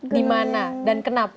di mana dan kenapa